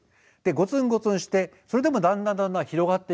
ゴツンゴツンしてそれでもだんだんだんだん広がっていくんだ。